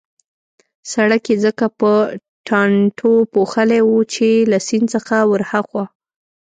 سړک يې ځکه په ټانټو پوښلی وو چې له سیند څخه ورهاخوا.